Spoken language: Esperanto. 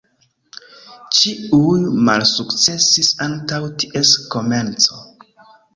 Ĉiuj malsukcesis antaŭ ties komenco.